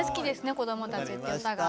こどもたちって歌が。